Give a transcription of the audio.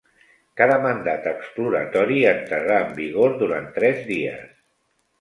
Cada mandat exploratori entrarà en vigor durant tres dies.